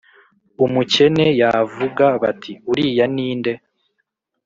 umukene yavuga, bati «Uriya ni nde?»